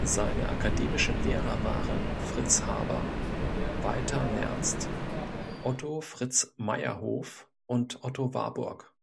Seine akademischen Lehrer waren Fritz Haber, Walther Nernst, Otto Fritz Meyerhof und Otto Warburg.